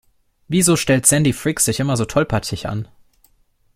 Wieso stellt Sandy Frick sich immer so tollpatschig an?